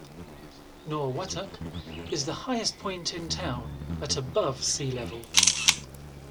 Norwottuck is the highest point in town at above sea level.